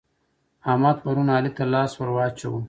احمد پرون علي ته لاس ور واچاوو.